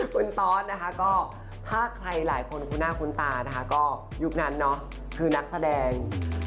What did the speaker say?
คุณตอสนะคะก็ถ้าใครหลายคนคุ้นหน้าคุ้นตานะคะก็ยุคนั้นเนาะคือนักแสดง